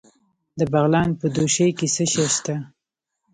د بغلان په دوشي کې څه شی شته؟